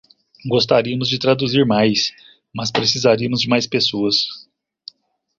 Gostaríamos de traduzir mais, mas precisaríamos de mais pessoas.